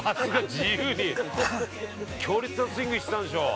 自由に強烈なスイングしてたんでしょう。